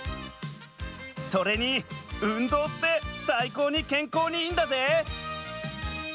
それに運動って最高にけんこうにいいんだぜ！